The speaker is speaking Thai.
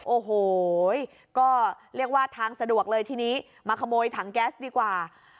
โอ้โหก็เรียกว่าทางสะดวกเลยทีนี้มาขโมยถังแก๊สดีกว่า